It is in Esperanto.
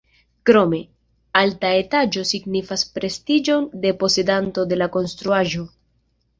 Krome, alta etaĝo signifas prestiĝon de posedanto de la konstruaĵo.